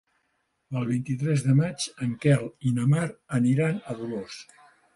El vint-i-tres de maig en Quel i na Mar aniran a Dolors.